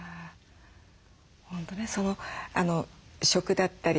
本当ね食だったりあと